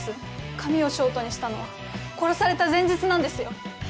髪をショートにしたのは殺された前日なんですよ。